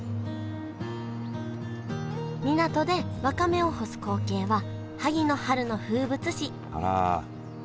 港でわかめを干す光景は萩の春の風物詩あら。